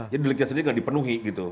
jadi legiasinya gak dipenuhi gitu